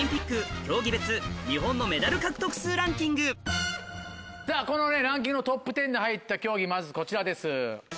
さらにそしてまずはこのランキングのトップ１０に入った競技まずこちらです。